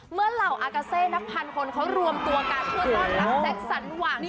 เมื่อเหล่าอากระเซนับพันคนเขารวมตัวการช่วยความตอนรับแจ๊งสั่นหวัง